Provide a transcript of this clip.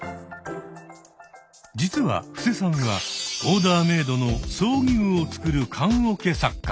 実は布施さんはオーダーメードの葬儀具を作る棺桶作家。